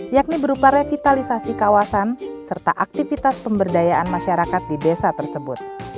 yakni berupa revitalisasi kawasan serta aktivitas pemberdayaan masyarakat di desa tersebut